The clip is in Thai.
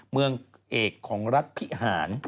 เมืองเอกของรัฐพิหาร